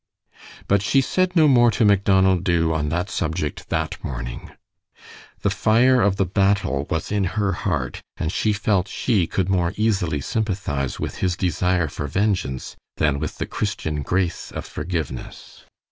But she said no more to Macdonald Dubh on that subject that morning. The fire of the battle was in her heart, and she felt she could more easily sympathize with his desire for vengeance than with the Christian grace of forgiveness.